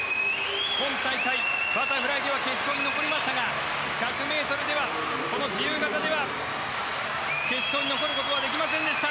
今大会、バタフライでは決勝に残りましたが１００ｍではこの自由形では決勝に残ることはできませんでした。